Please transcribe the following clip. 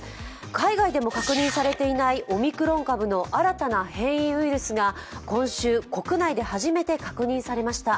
海外でも確認されていないオミクロン株の新たな変異ウイルスが今週、国内で初めて確認されました。